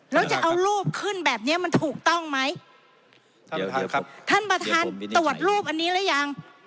แล้วจะเอารูปขึ้นแบบนี้มันถูกต้องไหมท่านประทานตรวจรูปอันนี้หรือยัง